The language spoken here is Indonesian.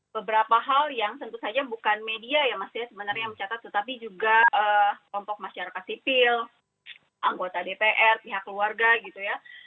beberapa hal yang tentu saja bukan media ya mas ya sebenarnya yang mencatat tetapi juga kelompok masyarakat sipil anggota dpr pihak keluarga gitu ya